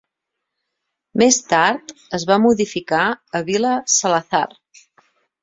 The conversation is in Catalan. Més tard es va modificar a Vila Salazar.